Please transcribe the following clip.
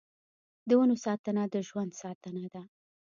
د ونو ساتنه د ژوند ساتنه ده.